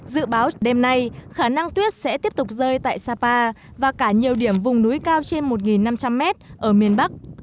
dự báo đêm nay khả năng tuyết sẽ tiếp tục rơi tại sapa và cả nhiều điểm vùng núi cao trên một năm trăm linh m ở miền bắc